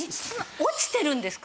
落ちてるんですか？